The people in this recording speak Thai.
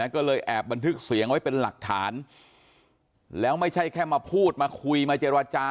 ก็เลยแอบบันทึกเสียงไว้เป็นหลักฐานแล้วไม่ใช่แค่มาพูดมาคุยมาเจรจา